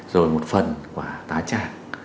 rồi một phần của tá trà